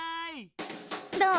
どう？